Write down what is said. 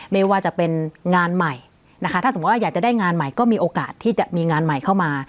ไม่ว่าจะเป็นงานใหม่นะคะถ้าสมมุติว่าอยากจะได้งานใหม่ก็มีโอกาสที่จะมีงานใหม่เข้ามา